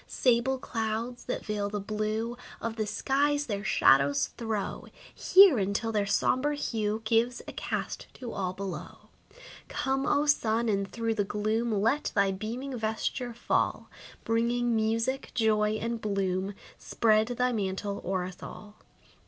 Sable clouds, that veil the blue Of the skies, their shadows throw Here, until their sombre hue Gives a cast to all below. Come, O sun, and through the gloom Let thy beaming vesture fall! Bringing music, joy and bloom, Spread thy mantle o'er us all.